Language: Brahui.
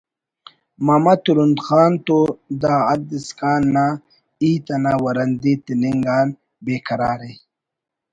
ماما ترند خان تو دا ہَد اسکان نا ہیت انا ورندی تننگ آن بے قرارءِ